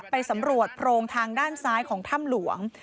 ไปสำรวจโพรงทางด้านซ้ายของถ้ำหลวง